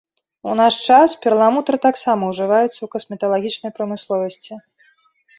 У наш час перламутр таксама ўжываецца ў касметалагічнай прамысловасці.